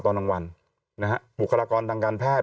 ตอนกลางวันนะฮะบุคลากรทางการแพทย์